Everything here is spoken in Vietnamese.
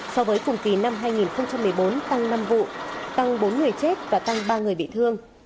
so với cùng kỳ năm hai nghìn một mươi bốn tăng năm vụ tăng bốn người chết và tăng ba người bị thương